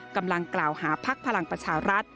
กำลังกล่าวหาพักพลังประชารัฐ